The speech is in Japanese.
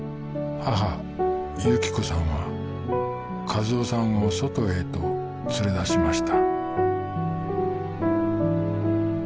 母雪子さんは一男さんを外へと連れ出しました